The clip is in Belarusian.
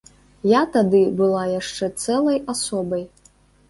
Я тады была яшчэ цэлай асобай.